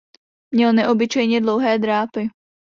Měl neobyčejně dlouhé drápy.